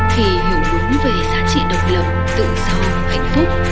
khi hiểu đúng về giá trị độc lập tự do hạnh phúc